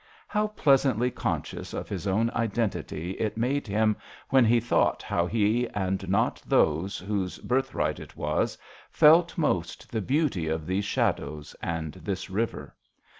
How pleasantly conscious of his own identity it made him when he thought how he and not those whose birthright it was, felt most the beauty of these shadows and this river